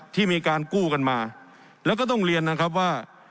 ที่มีการกู้กันมาแล้วก็ต้องเรียนนะครับว่า